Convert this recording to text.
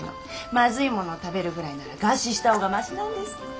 まずいものを食べるぐらいなら餓死した方がましなんですって。